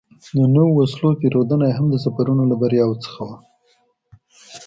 د نویو وسلو پېرودنه یې هم د سفرونو له بریاوو څخه وه.